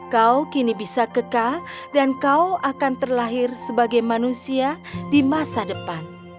kau kini bisa kekal dan kau akan terlahir sebagai manusia di masa depan